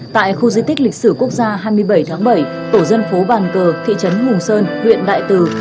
tại khu di tích lịch sử quốc gia hai mươi bảy tháng bảy tổ dân phố bàn cờ thị trấn hùng sơn huyện đại từ